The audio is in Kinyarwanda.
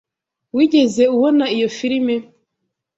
Wigeze ubona iyo firime?